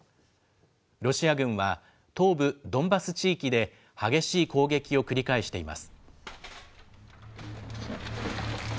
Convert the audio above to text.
ロシア軍は東部ドンバス地域で激しい攻撃を繰り返しています。